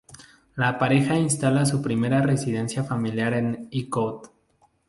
La pareja instala su primera residencia familiar en Icod.